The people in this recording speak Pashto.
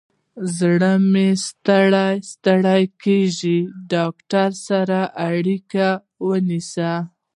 زړه مې ستړی ستړي کیږي، ډاکتر سره اړیکه ونیسه